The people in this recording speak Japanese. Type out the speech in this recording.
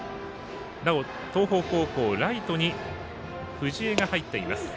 なお、東邦高校、ライトに藤江が入っています。